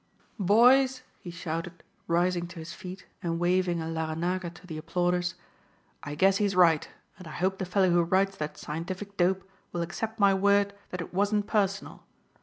"Boys," he shouted, rising to his feet and waving a Larranaga to the applauders, "I guess he's right and I hope the fellow who writes that scientific dope will accept my word that it wasn't personal.